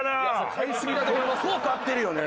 結構買ってるよね。